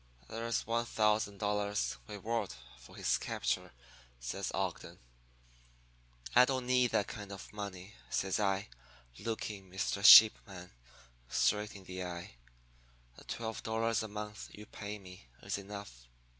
"'There's one thousand dollars reward for his capture,' says Ogden. "'I don't need that kind of money,' says I, looking Mr. Sheepman straight in the eye. 'The twelve dollars a month you pay me is enough.